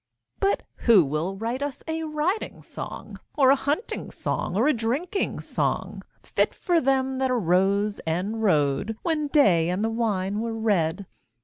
But who will write us a riding song, Or a hunting song or a drinking song, Fit for them that arose and rode When day and the wine were red?